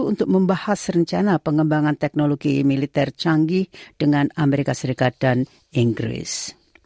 untuk membahas rencana pengembangan teknologi militer canggih dengan amerika serikat dan inggris